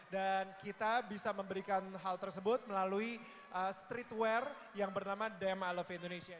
dan kita bisa memberikan hal tersebut melalui streetwear yang bernama dmlf indonesia